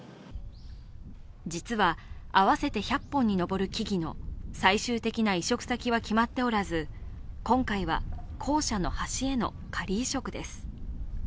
実は合わせて１００本に上る木々の最終的な移植先は決まっておらず、今回は校舎の端への仮移植です。